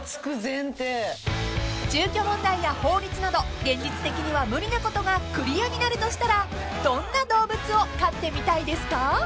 ［住居問題や法律など現実的には無理なことがクリアになるとしたらどんな動物を飼ってみたいですか？］